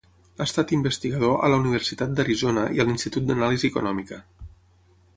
Ha estat investigador a la Universitat d'Arizona i a l'Institut d'Anàlisi Econòmica.